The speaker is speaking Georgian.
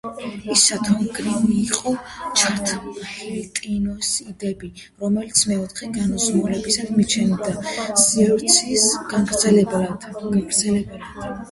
ის შთაგონებული იყო ჩარლზ ჰილტონის იდეებით, რომელიც მეოთხე განზომილებას მიიჩნევდა სივრცის გაგრძელებად.